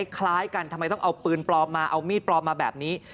คล้ายกันทำไมต้องเอาปืนปลอมมาเอามีดปลอมมาแบบนี้